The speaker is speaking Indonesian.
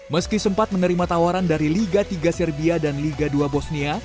meski sempat menerima tawaran dari liga tiga serbia dan liga dua bosnia